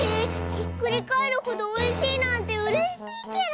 ひっくりかえるほどおいしいなんてうれしいケロ！